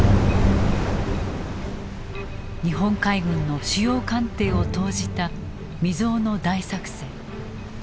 日本海軍の主要艦艇を投じた未曽有の大作戦。